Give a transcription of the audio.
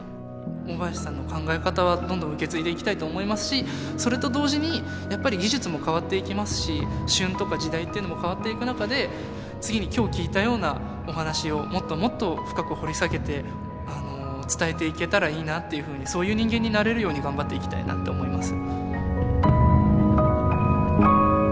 大林さんの考え方は受け継いでいきたいと思いますしそれと同時にやっぱり技術も変わっていきますし旬とか時代っていうのも変わっていく中で次に今日聞いたようなお話をもっともっと深く掘り下げて伝えていけたらいいなっていうふうにそういう人間になれるように頑張っていきたいなって思います。